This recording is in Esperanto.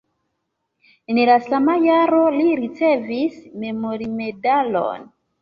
En la sama jaro li ricevis memormedalon.